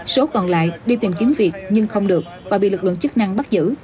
số còn lại đi tìm kiếm việc nhưng không được và bị lực lượng chức năng bắt giữ